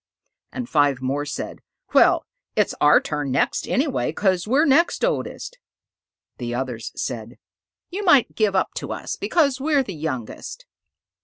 And five more said, "Well, it's our turn next anyway, 'cause we're next oldest." The others said, "You might give up to us, because we're the youngest."